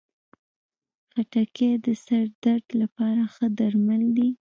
خټکی د سر درد لپاره ښه درمل دی.